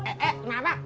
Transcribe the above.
eh eh kenapa